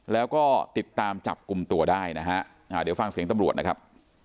แล้วก็ติดตามจับกลุ่มตัวได้นะฮะเดี๋ยวฟังเสียงตำรวจนะครับ